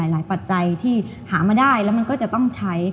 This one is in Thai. ปัจจัยที่หามาได้แล้วมันก็จะต้องใช้